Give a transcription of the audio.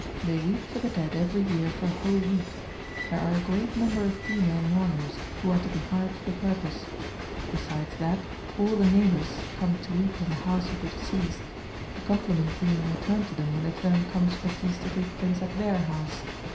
They weep for the dead every year for a whole week; there are a great number of female mourners, who are to be hired for the purpose. Besides that, all the neighbours come to weep in the house of the deceased; the compliment being returned to them when the turn comes for the feast to take place at their house.